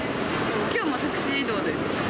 きょうもタクシー移動です。